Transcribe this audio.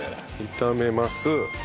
炒めます。